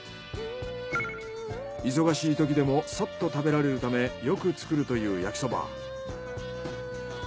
忙しいときでもサッと食べられるためよく作るという焼きそば。